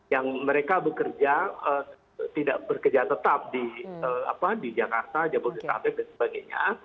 yang mereka bekerja tidak bekerja tetap di jakarta jabodetabek dan sebagainya